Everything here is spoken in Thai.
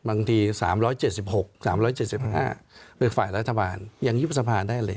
บางที๓๗๖๓๗๕เป็นฝ่ายรัฐบาลยังยุบสภาได้เลย